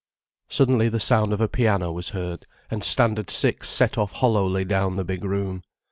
Suddenly the sound of a piano was heard, and Standard Six set off hollowly down the big room.